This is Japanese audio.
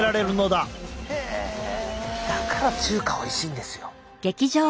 だから中華おいしいんですよ。